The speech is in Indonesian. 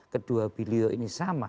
kedua bilio ini sama